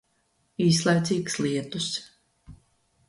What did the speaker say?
Īslaicīgs lietus.